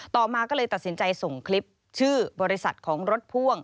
ต่อมาก็เลยตัดสินใจส่งคลิปชื่อบริษัทของรถพ่วง